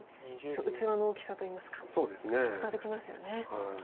器の大きさといいますか伝わってきますよね。